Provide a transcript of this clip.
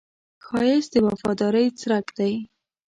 ښایست د وفادارۍ څرک دی